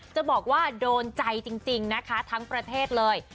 จะบอกว่าโดนใจจริงนะคะทั้งประเทศเลย